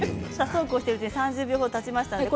そうこうしているうちに３０秒たちました。